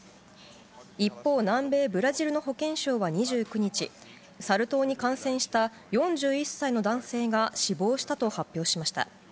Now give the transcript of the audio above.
一方、南米ブラジルの保健省は２９日、サル痘に感染した４１歳の男性が死亡したと発表しました。